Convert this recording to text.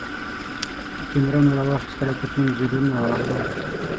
کېمره مو راواخيستله ترڅو انځورونه واخلو.